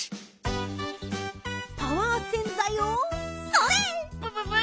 パワー洗ざいをそれっ！